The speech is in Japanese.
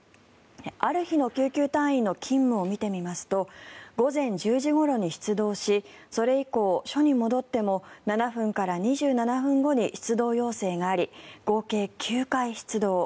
ある日の救急隊員の勤務を見てみますと午前１０時ごろに出動しそれ以降、署に戻っても７分から２７分後に出動要請があり合計９回、出動。